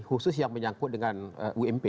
khusus yang menyangkut dengan ump